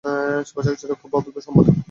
প্রশাসকেরা খুব অভিজ্ঞ সম্পাদক।